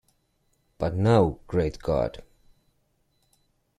But now, great God!